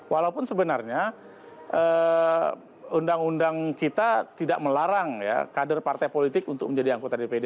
walaupun sebenarnya undang undang kita tidak melarang ya kader partai politik untuk menjadi anggota dpd